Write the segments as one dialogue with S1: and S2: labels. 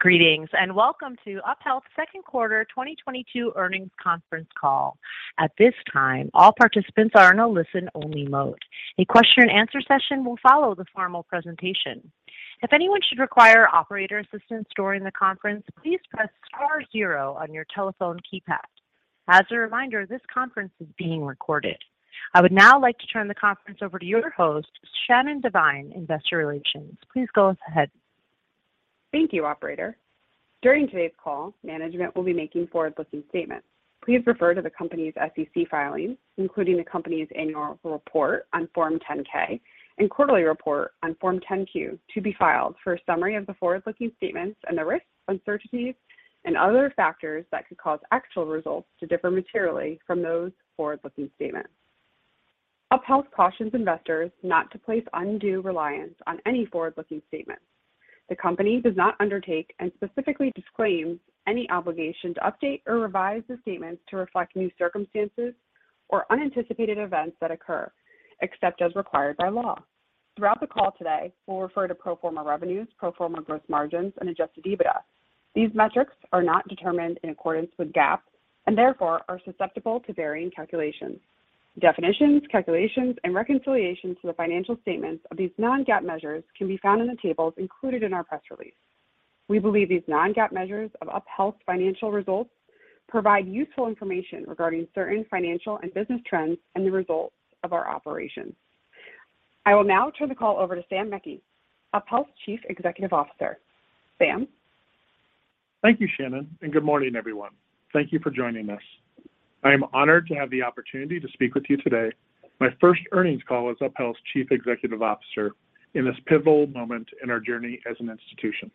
S1: Greetings and welcome to UpHealth's second quarter 2022 earnings conference call. At this time, all participants are in a listen-only mode. A question and answer session will follow the formal presentation. If anyone should require operator assistance during the conference, please press star zero on your telephone keypad. As a reminder, this conference is being recorded. I would now like to turn the conference over to your host, Shannon Devine, Investor Relations. Please go ahead.
S2: Thank you, Operator. During today's call, management will be making forward-looking statements. Please refer to the company's SEC filings, including the company's annual report on Form 10-K and quarterly report on Form 10-Q, to be filed for a summary of the forward-looking statements and the risks, uncertainties, and other factors that could cause actual results to differ materially from those forward-looking statements. UpHealth cautions investors not to place undue reliance on any forward-looking statements. The company does not undertake and specifically disclaims any obligation to update or revise the statements to reflect new circumstances or unanticipated events that occur, except as required by law. Throughout the call today, we'll refer to pro forma revenues, pro forma gross margins, and adjusted EBITDA. These metrics are not determined in accordance with GAAP and therefore are susceptible to varying calculations. Definitions, calculations, and reconciliation to the financial statements of these non-GAAP measures can be found in the tables included in our press release. We believe these non-GAAP measures of UpHealth's financial results provide useful information regarding certain financial and business trends and the results of our operations. I will now turn the call over to Samuel Meckey, UpHealth's Chief Executive Officer. Samuel?
S3: Thank you, Shannon, and good morning, everyone. Thank you for joining us. I am honored to have the opportunity to speak with you today, my first earnings call as UpHealth's Chief Executive Officer in this pivotal moment in our journey as an institution.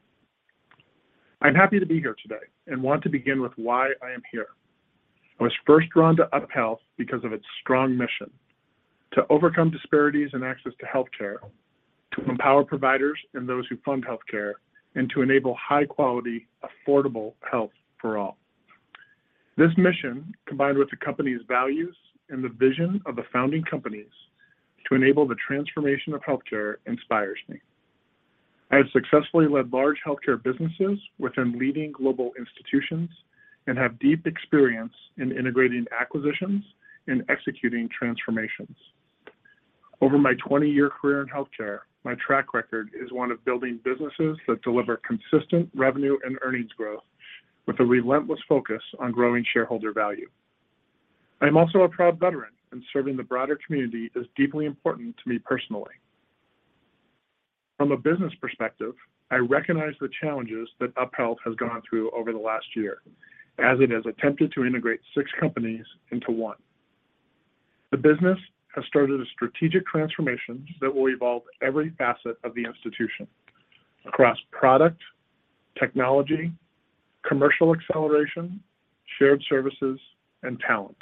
S3: I'm happy to be here today and want to begin with why I am here. I was first drawn to UpHealth because of its strong mission, to overcome disparities in access to healthcare, to empower providers and those who fund healthcare, and to enable high quality, affordable health for all. This mission, combined with the company's values and the vision of the founding companies to enable the transformation of healthcare, inspires me. I have successfully led large healthcare businesses within leading global institutions and have deep experience in integrating acquisitions and executing transformations. Over my 20-year career in healthcare, my track record is one of building businesses that deliver consistent revenue and earnings growth with a relentless focus on growing shareholder value. I'm also a proud veteran, and serving the broader community is deeply important to me personally. From a business perspective, I recognize the challenges that UpHealth has gone through over the last year as it has attempted to integrate six companies into one. The business has started a strategic transformation that will evolve every facet of the institution across product, technology, commercial acceleration, shared services, and talent.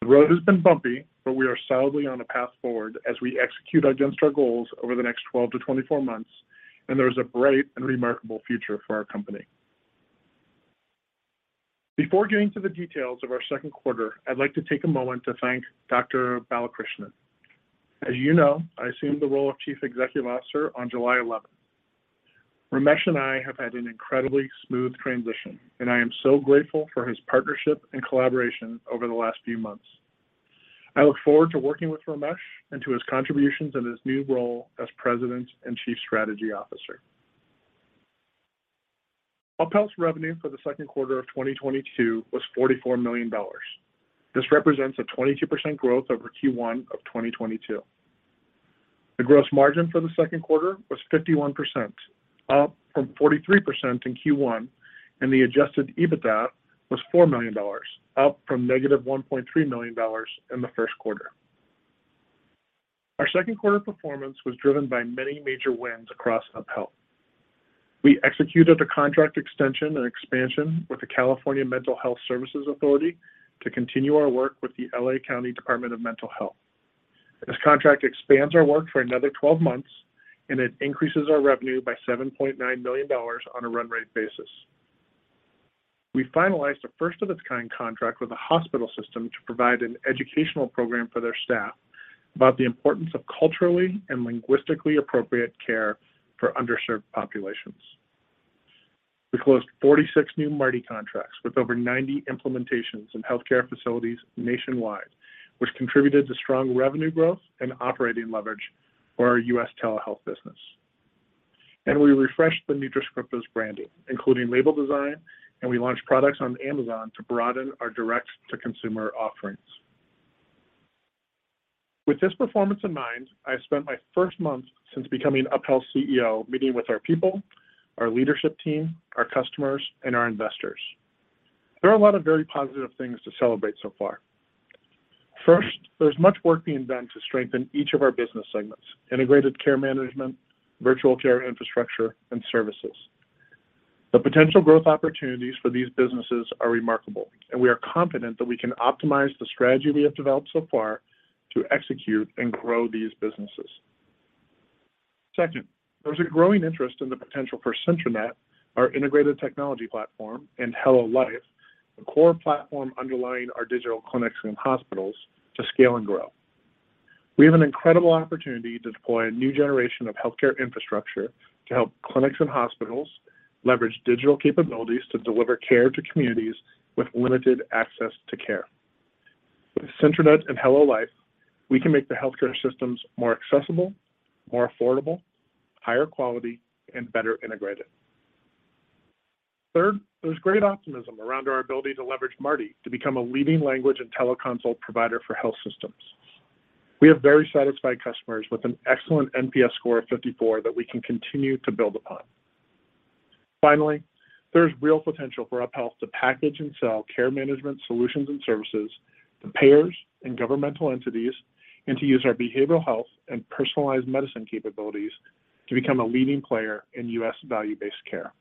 S3: The road has been bumpy, but we are solidly on a path forward as we execute against our goals over the next 12-24 months, and there is a bright and remarkable future for our company. Before getting to the details of our second quarter, I'd like to take a moment to thank Dr. Ramesh Balakrishnan. As you know, I assumed the role of Chief Executive Officer on July eleventh. Ramesh and I have had an incredibly smooth transition, and I am so grateful for his partnership and collaboration over the last few months. I look forward to working with Ramesh and to his contributions in his new role as President and Chief Strategy Officer. UpHealth's revenue for the second quarter of 2022 was $44 million. This represents a 22% growth over Q1 of 2022. The gross margin for the second quarter was 51%, up from 43% in Q1, and the adjusted EBITDA was $4 million, up from -$1.3 million in the first quarter. Our second quarter performance was driven by many major wins across UpHealth. We executed a contract extension and expansion with the California Mental Health Services Authority to continue our work with the Los Angeles County Department of Mental Health. This contract expands our work for another 12 months, and it increases our revenue by $7.9 million on a run rate basis. We finalized a first of its kind contract with a hospital system to provide an educational program for their staff about the importance of culturally and linguistically appropriate care for underserved populations. We closed 46 new Martti contracts with over 90 implementations in healthcare facilities nationwide, which contributed to strong revenue growth and operating leverage for our U.S. telehealth business. We refreshed the Nutrascriptives branding, including label design, and we launched products on Amazon to broaden our direct-to-consumer offerings. With this performance in mind, I spent my first month since becoming UpHealth's CEO meeting with our people, our leadership team, our customers, and our investors. There are a lot of very positive things to celebrate so far. First, there's much work being done to strengthen each of our business segments: integrated care management, virtual care infrastructure, and services. The potential growth opportunities for these businesses are remarkable, and we are confident that we can optimize the strategy we have developed so far to execute and grow these businesses. Second, there's a growing interest in the potential for SyntraNet, our integrated technology platform, and HelloLyf, the core platform underlying our digital clinics and hospitals, to scale and grow. We have an incredible opportunity to deploy a new generation of healthcare infrastructure to help clinics and hospitals leverage digital capabilities to deliver care to communities with limited access to care. With SyntraNet and HelloLyf, we can make the healthcare systems more accessible, more affordable, higher quality, and better integrated. Third, there's great optimism around our ability to leverage Martti to become a leading language and teleconsult provider for health systems. We have very satisfied customers with an excellent NPS score of 54 that we can continue to build upon. Finally, there's real potential for UpHealth to package and sell care management solutions and services to payers and governmental entities, and to use our behavioral health and personalized medicine capabilities to become a leading player in US value-based care.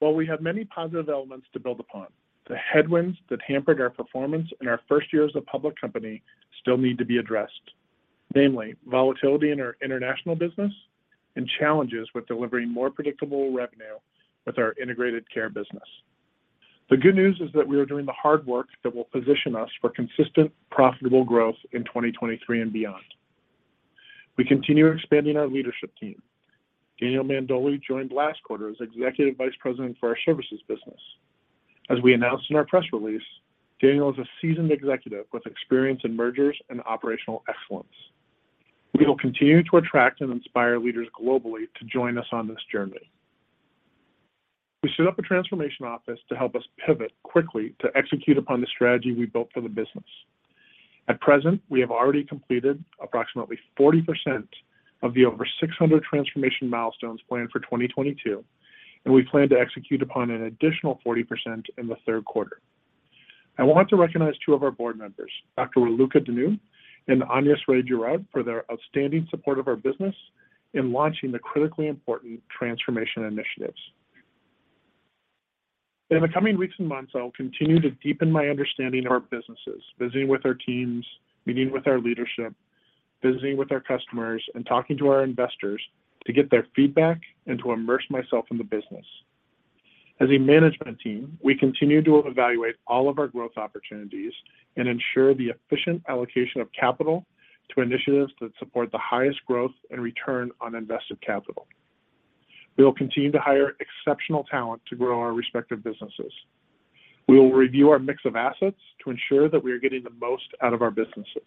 S3: While we have many positive elements to build upon, the headwinds that hampered our performance in our first year as a public company still need to be addressed, namely volatility in our international business and challenges with delivering more predictable revenue with our integrated care business. The good news is that we are doing the hard work that will position us for consistent, profitable growth in 2023 and beyond. We continue expanding our leadership team. Daniel Mandoli joined last quarter as Executive Vice President for our services business. As we announced in our press release, Daniel is a seasoned executive with experience in mergers and operational excellence. We will continue to attract and inspire leaders globally to join us on this journey. We set up a transformation office to help us pivot quickly to execute upon the strategy we built for the business. At present, we have already completed approximately 40% of the over 600 transformation milestones planned for 2022, and we plan to execute upon an additional 40% in the third quarter. I want to recognize two of our board members, Dr. Raluca Dinu and Agnès Rey-Giraud, for their outstanding support of our business in launching the critically important transformation initiatives. In the coming weeks and months, I will continue to deepen my understanding of our businesses, visiting with our teams, meeting with our leadership, visiting with our customers, and talking to our investors to get their feedback and to immerse myself in the business. As a management team, we continue to evaluate all of our growth opportunities and ensure the efficient allocation of capital to initiatives that support the highest growth and return on invested capital. We will continue to hire exceptional talent to grow our respective businesses. We will review our mix of assets to ensure that we are getting the most out of our businesses.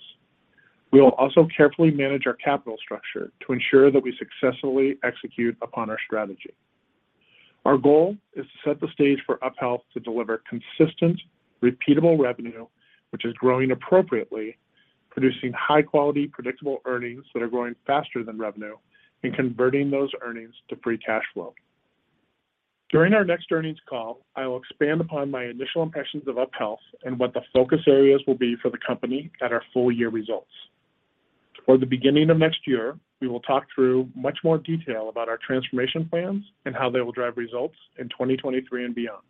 S3: We will also carefully manage our capital structure to ensure that we successfully execute upon our strategy. Our goal is to set the stage for UpHealth to deliver consistent, repeatable revenue, which is growing appropriately, producing high quality, predictable earnings that are growing faster than revenue and converting those earnings to free cash flow. During our next earnings call, I will expand upon my initial impressions of UpHealth and what the focus areas will be for the company at our full year results. Toward the beginning of next year, we will talk through much more detail about our transformation plans and how they will drive results in 2023 and beyond.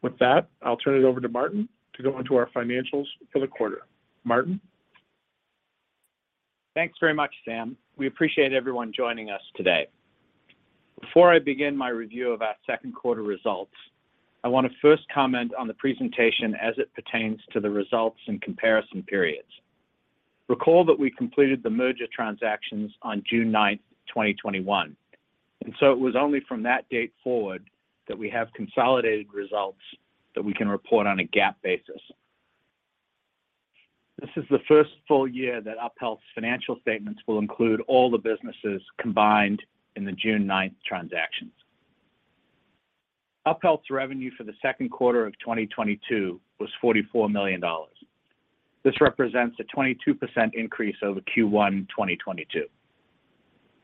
S3: With that, I'll turn it over to Martin to go into our financials for the quarter. Martin.
S4: Thanks very much, Samuel. We appreciate everyone joining us today. Before I begin my review of our second quarter results, I wanna first comment on the presentation as it pertains to the results and comparison periods. Recall that we completed the merger transactions on June 9th, 2021, and so it was only from that date forward that we have consolidated results that we can report on a GAAP basis. This is the first full year that UpHealth's financial statements will include all the businesses combined in the June 9th transactions. UpHealth's revenue for the second quarter of 2022 was $44 million. This represents a 22% increase over Q1 2022.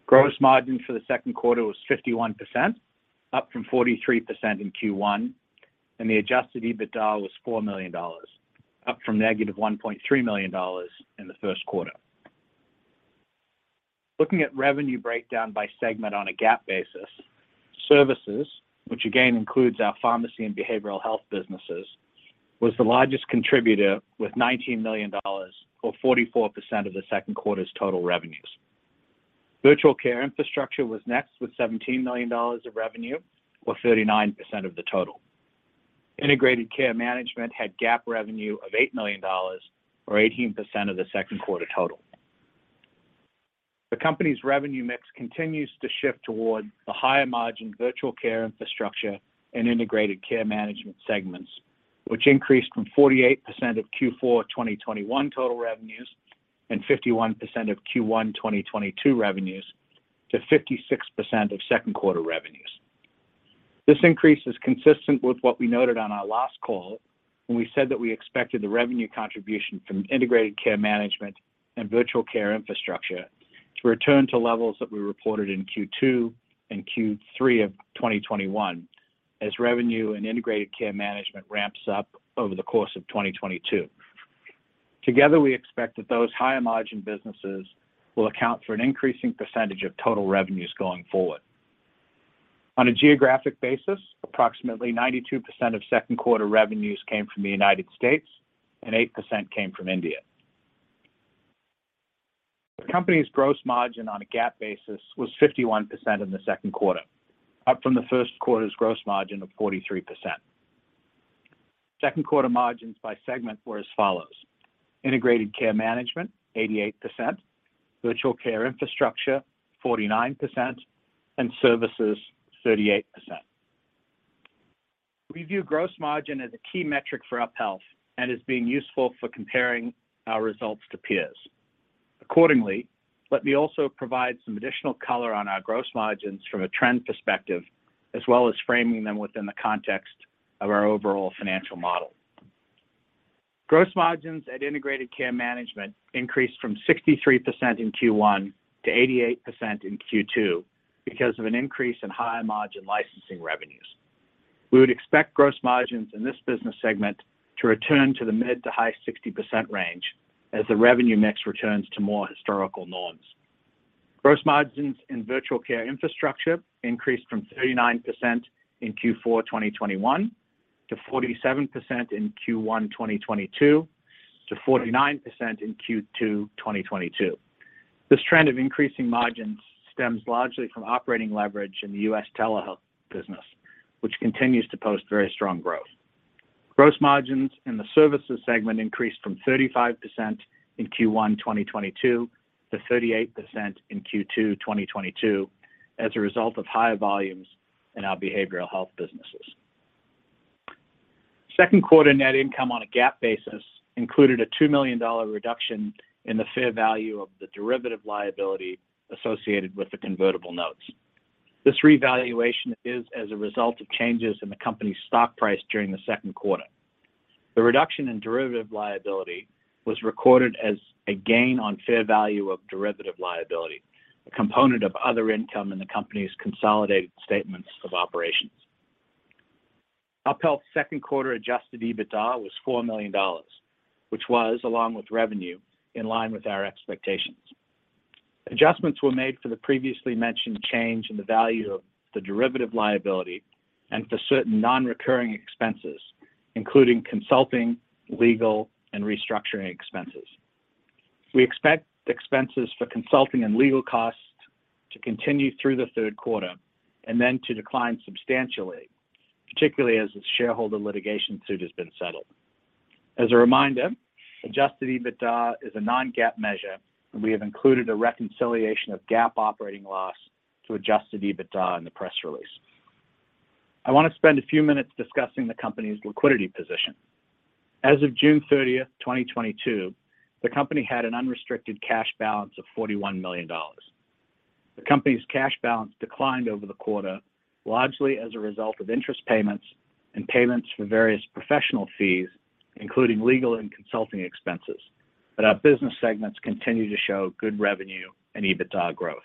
S4: Gross margin for the second quarter was 51%, up from 43% in Q1, and the adjusted EBITDA was $4 million, up from -$1.3 million in the first quarter. Looking at revenue breakdown by segment on a GAAP basis, services, which again includes our pharmacy and behavioral health businesses, was the largest contributor with $19 million or 44% of the second quarter's total revenues. Virtual care infrastructure was next with $17 million of revenue, or 39% of the total. Integrated care management had GAAP revenue of $8 million, or 18% of the second quarter total. The company's revenue mix continues to shift toward the higher margin virtual care infrastructure and integrated care management segments, which increased from 48% of Q4 2021 total revenues and 51% of Q1 2022 revenues to 56% of second quarter revenues. This increase is consistent with what we noted on our last call when we said that we expected the revenue contribution from integrated care management and virtual care infrastructure to return to levels that we reported in Q2 and Q3 of 2021 as revenue and integrated care management ramps up over the course of 2022. Together, we expect that those higher margin businesses will account for an increasing percentage of total revenues going forward. On a geographic basis, approximately 92% of second quarter revenues came from the United States, and 8% came from India. The company's gross margin on a GAAP basis was 51% in the second quarter, up from the first quarter's gross margin of 43%. Second quarter margins by segment were as follows. Integrated care management, 88%, virtual care infrastructure, 49%, and services, 38%. We view gross margin as a key metric for UpHealth and as being useful for comparing our results to peers. Accordingly, let me also provide some additional color on our gross margins from a trend perspective, as well as framing them within the context of our overall financial model. Gross margins at integrated care management increased from 63% in Q1 to 88% in Q2 because of an increase in high-margin licensing revenues. We would expect gross margins in this business segment to return to the mid- to high-60% range as the revenue mix returns to more historical norms. Gross margins in virtual care infrastructure increased from 39% in Q4 2021 to 47% in Q1 2022 to 49% in Q2 2022. This trend of increasing margins stems largely from operating leverage in the US telehealth business, which continues to post very strong growth. Gross margins in the services segment increased from 35% in Q1 2022 to 38% in Q2 2022 as a result of higher volumes in our behavioral health businesses. Second quarter net income on a GAAP basis included a $2 million reduction in the fair value of the derivative liability associated with the convertible notes. This revaluation is as a result of changes in the company's stock price during the second quarter. The reduction in derivative liability was recorded as a gain on fair value of derivative liability, a component of other income in the company's consolidated statements of operations. UpHealth's second quarter adjusted EBITDA was $4 million, which was, along with revenue, in line with our expectations. Adjustments were made for the previously mentioned change in the value of the derivative liability and for certain non-recurring expenses, including consulting, legal, and restructuring expenses. We expect expenses for consulting and legal costs to continue through the third quarter and then to decline substantially, particularly as the shareholder litigation suit has been settled. As a reminder, adjusted EBITDA is a non-GAAP measure, and we have included a reconciliation of GAAP operating loss to adjusted EBITDA in the press release. I want to spend a few minutes discussing the company's liquidity position. As of June 30th, 2022, the company had an unrestricted cash balance of $41 million. The company's cash balance declined over the quarter, largely as a result of interest payments and payments for various professional fees, including legal and consulting expenses. Our business segments continue to show good revenue and EBITDA growth.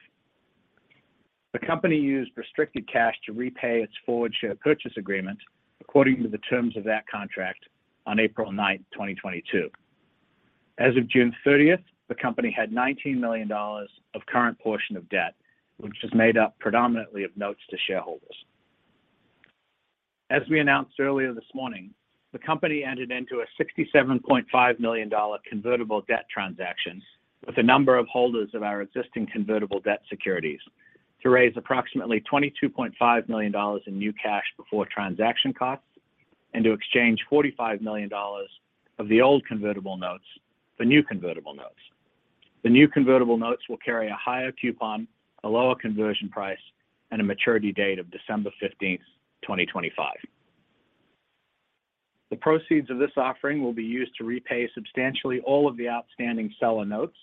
S4: The company used restricted cash to repay its forward share purchase agreement according to the terms of that contract on April 9th, 2022. As of June 30th, the company had $19 million of current portion of debt, which is made up predominantly of notes to shareholders. As we announced earlier this morning, the company entered into a $67.5 million convertible debt transaction with a number of holders of our existing convertible debt securities to raise approximately $22.5 million in new cash before transaction costs and to exchange $45 million of the old convertible notes for new convertible notes. The new convertible notes will carry a higher coupon, a lower conversion price, and a maturity date of December 15, 2025. The proceeds of this offering will be used to repay substantially all of the outstanding seller notes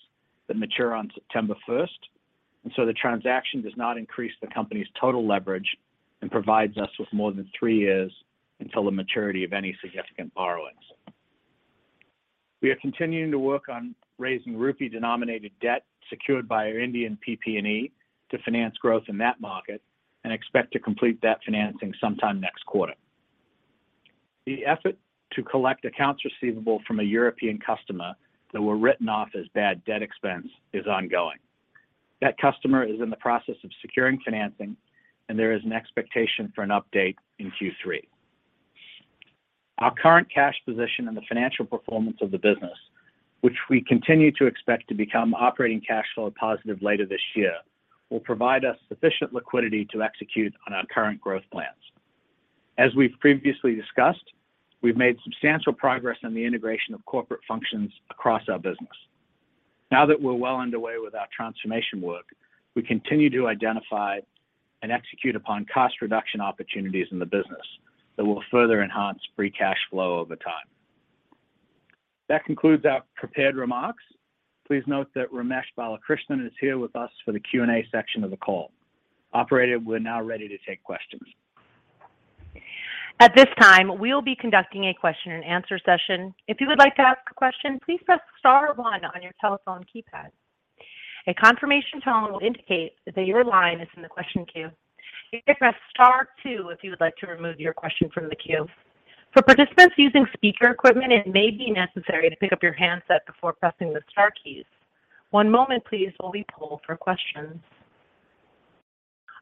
S4: that mature on September first, and so the transaction does not increase the company's total leverage and provides us with more than three years until the maturity of any significant borrowings. We are continuing to work on raising rupee-denominated debt secured by our Indian PP&E to finance growth in that market and expect to complete that financing sometime next quarter. The effort to collect accounts receivable from a European customer that were written off as bad debt expense is ongoing. That customer is in the process of securing financing, and there is an expectation for an update in Q3. Our current cash position and the financial performance of the business, which we continue to expect to become operating cash flow positive later this year, will provide us sufficient liquidity to execute on our current growth plans. As we've previously discussed, we've made substantial progress in the integration of corporate functions across our business. Now that we're well underway with our transformation work, we continue to identify and execute upon cost reduction opportunities in the business that will further enhance free cash flow over time. That concludes our prepared remarks. Please note that Ramesh Balakrishnan is here with us for the Q&A section of the call. Operator, we're now ready to take questions.
S1: At this time, we will be conducting a question and answer session. If you would like to ask a question, please press star one on your telephone keypad. A confirmation tone will indicate that your line is in the question queue. You may press star two if you would like to remove your question from the queue. For participants using speaker equipment, it may be necessary to pick up your handset before pressing the star keys. One moment please while we poll for questions.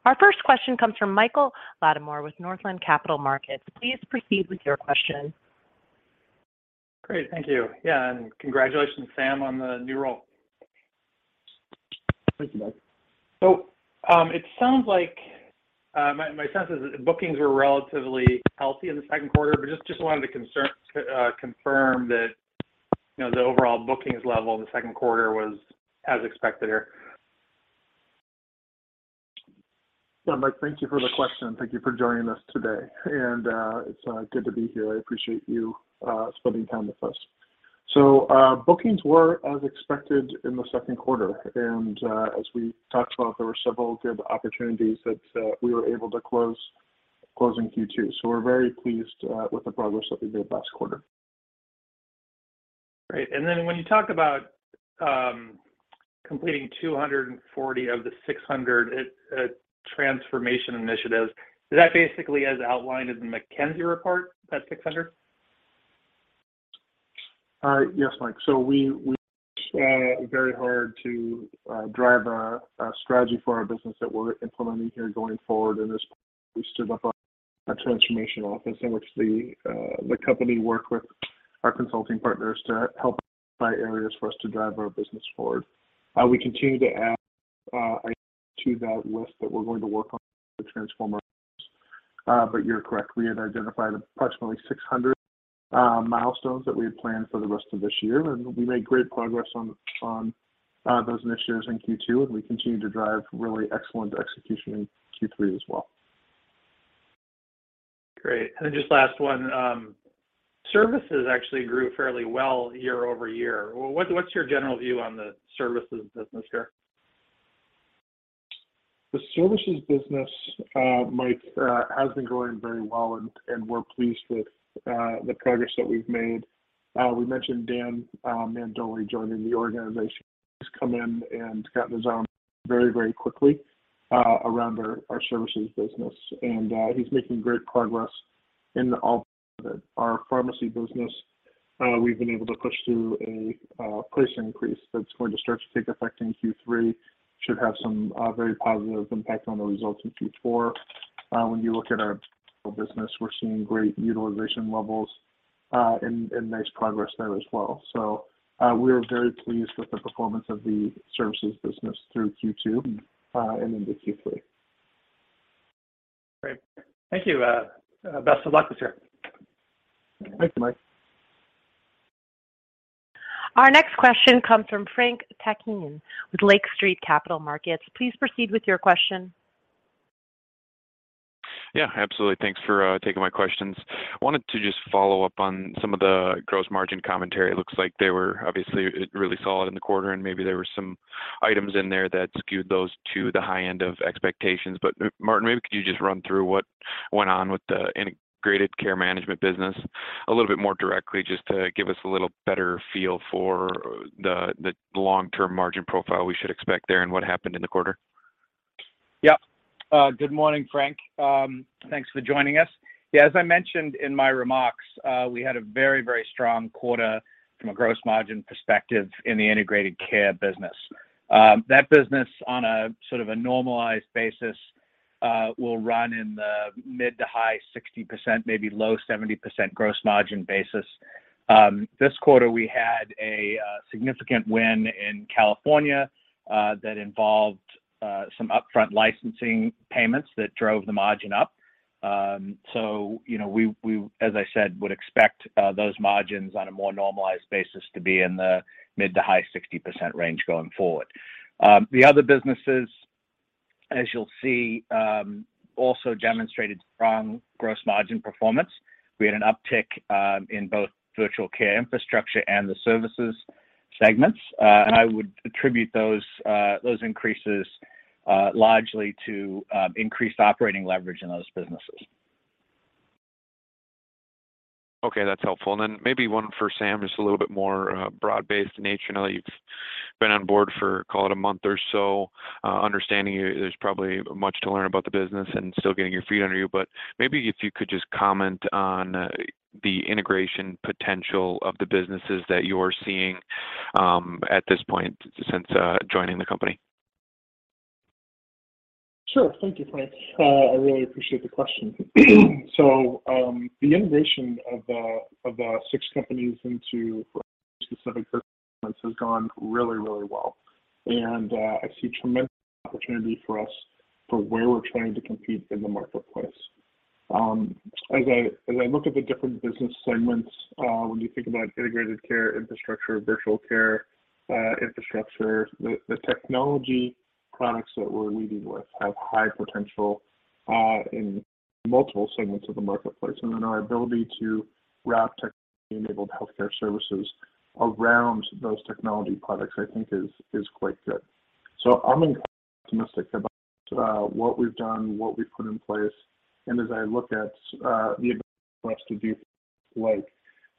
S1: Our first question comes from Michael Latimore with Northland Capital Markets. Please proceed with your question.
S5: Great. Thank you. Yeah, congratulations, Samuel, on the new role.
S3: Thank you, Michael.
S5: It sounds like my sense is that bookings were relatively healthy in the second quarter, but just wanted to confirm that, you know, the overall bookings level in the second quarter was as expected here.
S3: Yeah, Michael, thank you for the question. Thank you for joining us today. It's good to be here. I appreciate you spending time with us. Bookings were as expected in the second quarter, and as we talked about, there were several good opportunities that we were able to close in Q2. We're very pleased with the progress that we made last quarter.
S5: Great. When you talk about completing 240 of the 600 IT transformation initiatives, is that basically as outlined in the McKinsey report, that 600?
S3: Yes, Michael. We worked very hard to drive our strategy for our business that we're implementing here going forward, and as we stood up our transformation office, in which the company worked with our consulting partners to help identify areas for us to drive our business forward. We continue to add items to that list that we're going to work on to transform our business. You're correct, we had identified approximately 600 milestones that we had planned for the rest of this year, and we made great progress on those initiatives in Q2, and we continue to drive really excellent execution in Q3 as well.
S5: Great. Just last one, services actually grew fairly well year-over-year. What's your general view on the services business here?
S3: The services business, Michael, has been growing very well and we're pleased with the progress that we've made. We mentioned Daniel Mandoli joining the organization. He's come in and gotten his arms very quickly around our services business. He's making great progress in all of it. Our pharmacy business, we've been able to push through a price increase that's going to start to take effect in Q3. Should have some very positive impact on the results in Q4. When you look at our business, we're seeing great utilization levels and nice progress there as well. We're very pleased with the performance of the services business through Q2 and into Q3.
S5: Great. Thank you. Best of luck this year.
S3: Thank you, Michael.
S1: Our next question comes from Frank Takkinen with Lake Street Capital Markets. Please proceed with your question.
S6: Yeah, absolutely. Thanks for taking my questions. I wanted to just follow up on some of the gross margin commentary. It looks like they were obviously really solid in the quarter, and maybe there were some items in there that skewed those to the high end of expectations. Martin, maybe could you just run through what went on with the integrated care management business a little bit more directly, just to give us a little better feel for the long-term margin profile we should expect there and what happened in the quarter?
S4: Yeah. Good morning, Frank. Thanks for joining us. Yeah, as I mentioned in my remarks, we had a very strong quarter from a gross margin perspective in the integrated care business. That business on a sort of a normalized basis will run in the mid- to high-60%, maybe low 70% gross margin basis. This quarter, we had a significant win in California that involved some upfront licensing payments that drove the margin up. So, you know, we as I said would expect those margins on a more normalized basis to be in the mid- to high-60% range going forward. The other businesses, as you'll see, also demonstrated strong gross margin performance. We had an uptick in both virtual care infrastructure and the services segments. I would attribute those increases largely to increased operating leverage in those businesses.
S6: Okay, that's helpful. Maybe one for Sam, just a little bit more broad-based in nature. I know you've been on board for, call it, a month or so, understanding there's probably much to learn about the business and still getting your feet under you. Maybe if you could just comment on the integration potential of the businesses that you're seeing at this point since joining the company.
S3: Sure. Thank you, Frank. I really appreciate the question. The integration of the six companies into specific business has gone really well. I see tremendous opportunity for us for where we're trying to compete in the marketplace. As I look at the different business segments, when you think about integrated care infrastructure, virtual care infrastructure, the technology products that we're leading with have high potential in multiple segments of the marketplace. Our ability to wrap technology-enabled healthcare services around those technology products, I think is quite good. I'm optimistic about what we've done, what we've put in place. As I look at the ability for us to do things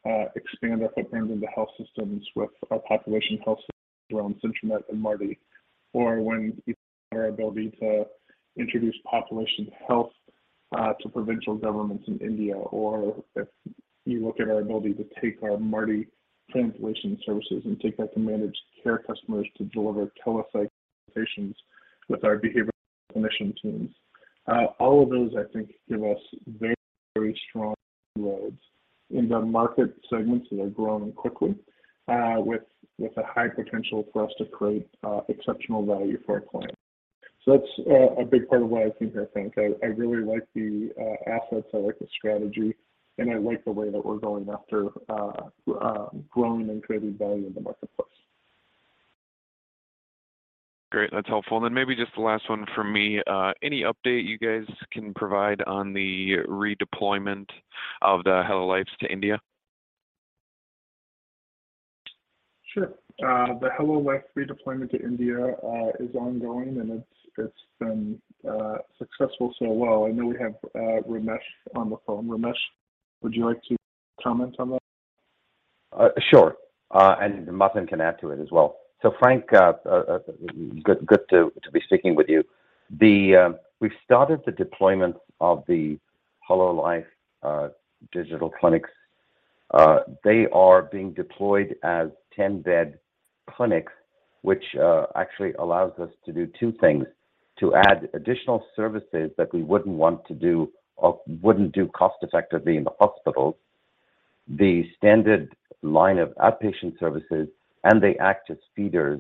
S3: like expand our footprint into health systems with our population health systems around SyntraNet and Martti, or our ability to introduce population health to provincial governments in India, or if you look at our ability to take our Martti translation services and take that to managed care customers to deliver telepsychiatry patients with our behavioral clinician teams. All of those, I think, give us very strongholds in the market segments that are growing quickly with a high potential for us to create exceptional value for our clients. That's a big part of why I think that, Frank. I really like the assets, I like the strategy, and I like the way that we're going after growing and creating value in the marketplace.
S6: Great. That's helpful. Maybe just the last one from me. Any update you guys can provide on the redeployment of the HelloLyf to India?
S3: Sure. The HelloLyf redeployment to India is ongoing, and it's been successful so far. I know we have Ramesh on the phone. Ramesh, would you like to comment on that?
S7: Sure. Martin can add to it as well. Frank, good to be speaking with you. We've started the deployment of the HelloLyf digital clinics. They are being deployed as 10-bed clinics, which actually allows us to do two things, to add additional services that we wouldn't want to do or wouldn't do cost-effectively in the hospitals. The standard line of outpatient services, and they act as feeders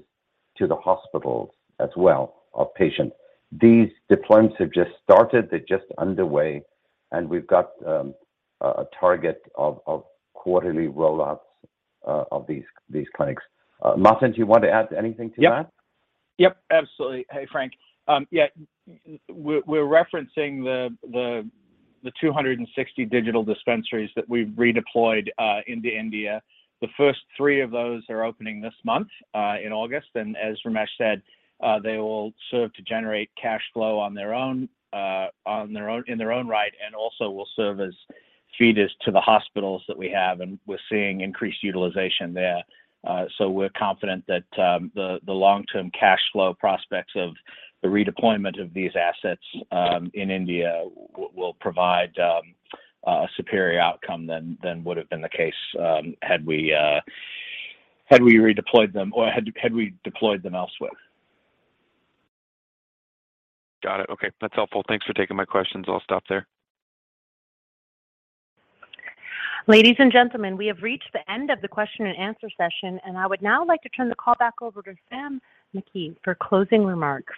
S7: to the hospitals as well, outpatients. These deployments have just started. They're just underway, and we've got a target of quarterly rollouts of these clinics. Martin, do you want to add anything to that?
S4: Yep. Yep, absolutely. Hey, Frank. We're referencing the 260 digital dispensaries that we've redeployed into India. The first three of those are opening this month in August. As Ramesh said, they will serve to generate cash flow on their own in their own right, and also will serve as feeders to the hospitals that we have, and we're seeing increased utilization there. We're confident that the long-term cash flow prospects of the redeployment of these assets in India will provide a superior outcome than would have been the case had we redeployed them or had we deployed them elsewhere.
S6: Got it. Okay, that's helpful. Thanks for taking my questions. I'll stop there.
S1: Ladies and gentlemen, we have reached the end of the question and answer session, and I would now like to turn the call back over to Samuel Meckey for closing remarks.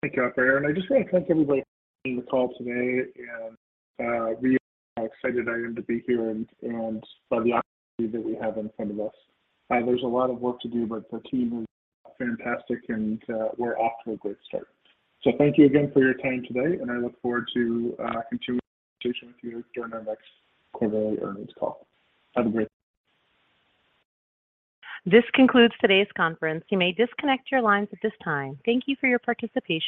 S3: Thank you, operator. I just wanna thank everybody on the call today and reiterating how excited I am to be here and by the opportunity that we have in front of us. There's a lot of work to do, but the team is fantastic and we're off to a great start. Thank you again for your time today, and I look forward to continuing the conversation with you during our next quarterly earnings call. Have a great day.
S1: This concludes today's conference. You may disconnect your lines at this time. Thank you for your participation.